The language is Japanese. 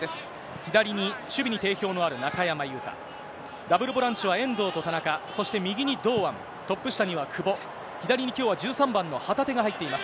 左に、守備に定評のある中山雄太、ダブルボランチは遠藤と田中、そして右に堂安、トップ下には久保、左にきょうは１３番の旗手が入っています。